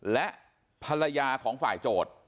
และภรรยาของฝ่ายโจทย์